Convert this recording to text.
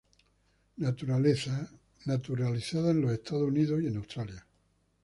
Naturalizada en Estados Unidos y Australia.